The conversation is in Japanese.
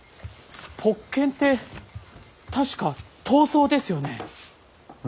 ポッケンって確か痘瘡ですよね？